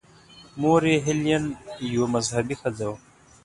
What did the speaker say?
مور یې هیلین یوه مذهبي ښځه وه.